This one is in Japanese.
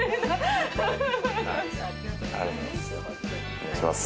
お願いします